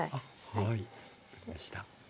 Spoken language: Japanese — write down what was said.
はい分かりました。